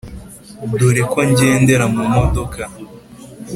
Dore ko ngendera mu modoka